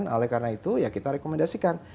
oleh karena itu ya kita rekomendasikan